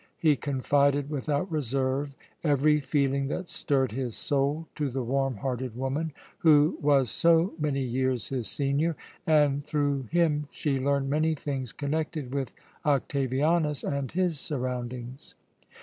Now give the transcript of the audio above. He confided without reserve every feeling that stirred his soul to the warm hearted woman who was so many years his senior, and through him she learned many things connected with Octavianus and his surroundings.